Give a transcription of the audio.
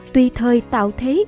tuy thời tạo thế